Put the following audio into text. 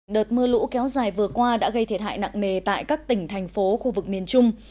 đợt mưa lũ kéo dài vừa qua đã gây thiệt hại nặng nề tại các tỉnh thành phố khu vực miền trung